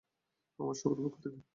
আমাদের সবার পক্ষ থেকে।